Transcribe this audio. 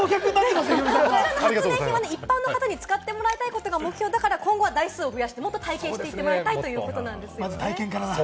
一般の方に使ってもらうことが目標だから、今後は台数を増やしてもっと体験してもらいたいということですね。